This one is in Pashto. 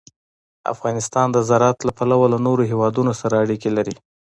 افغانستان د زراعت له پلوه له نورو هېوادونو سره اړیکې لري.